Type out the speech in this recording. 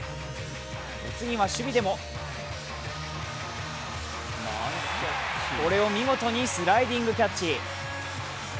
お次は守備でもこれを見事にスライディングキャッチ。